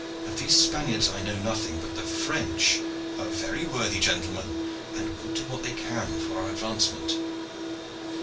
"Of these Spaniards I know nothing; but the French are very worthy gentlemen, and will do what they can for our advancement."